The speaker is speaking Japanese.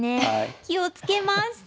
気を付けます！